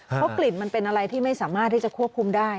เพราะกลิ่นมันเป็นอะไรที่ไม่สามารถที่จะควบคุมได้